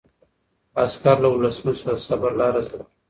عسکر له ولسمشر څخه د صبر لاره زده کړه.